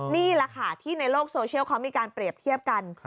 นี่แหละค่ะที่ในโลกโซเชียลเขามีการเปรียบเทียบกัน